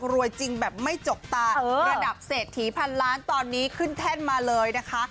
จริงแบบไม่จกตาระดับเศรษฐีพันล้านตอนนี้ขึ้นแท่นมาเลยนะคะ